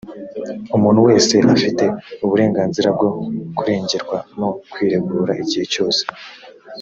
umuntu wese afite uburenganzira bwo kurengerwa no kwiregura igihe cyose